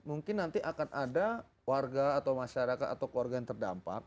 mungkin nanti akan ada warga atau masyarakat atau keluarga yang terdampak